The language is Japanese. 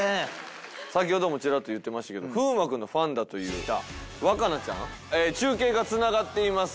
先ほどもちらっと言ってましたけど風磨君のファンだという羽華那ちゃん中継がつながっています。